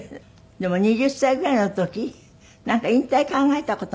でも２０歳ぐらいの時なんか引退考えた事もあるんですって？